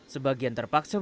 sebagian terpaksa berjualan